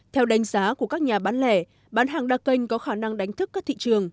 theo đánh giá của các nhà bán lẻ bán hàng đa kênh có khả năng đánh thức các thị trường